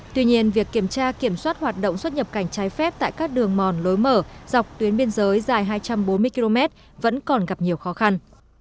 tuy nhiên việc kiểm tra kiểm soát hoạt động xuất nhập cảnh trái phép tại các đường mòn lối mở dọc tuyến biên giới dài hai trăm bốn mươi km vẫn còn gặp nhiều khó khăn